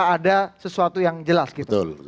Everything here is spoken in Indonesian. ada sesuatu yang jelas gitu